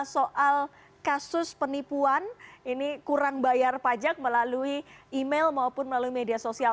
soal kasus penipuan ini kurang bayar pajak melalui email maupun melalui media sosial